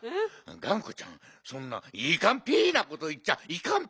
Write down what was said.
がんこちゃんそんなイイカンピーなこといっちゃいかんピ。